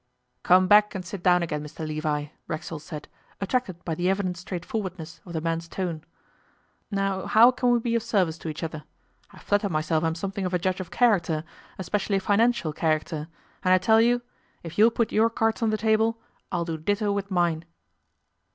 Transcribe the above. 'Come back and sit down again, Mr Levi,' Racksole said, attracted by the evident straightforwardness of the man's tone. 'Now, how can we be of service to each other? I flatter myself I'm something of a judge of character, especially financial character, and I tell you if you'll put your cards on the table, I'll do ditto with mine.